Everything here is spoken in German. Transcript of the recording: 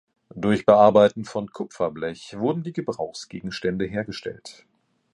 Durch Bearbeiten von Kupferblech wurden die Gebrauchsgegenstände hergestellt.